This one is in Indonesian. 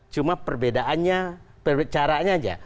cuma perbedaannya caranya aja